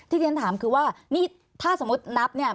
ที่ที่ฉันถามคือว่านี่ถ้าสมมุตินับเนี่ย